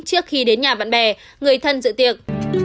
trước khi đến nhà bạn bè người thân dự tiệc